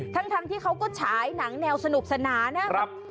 ทั้งที่เขาก็ฉายหนังแนวสนุกสนานนะแบบ